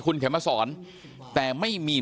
คุณเข็มมาสอนแต่ไม่มี